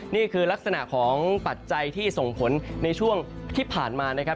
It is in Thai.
นี่คือลักษณะของปัจจัยที่ส่งผลในช่วงที่ผ่านมานะครับ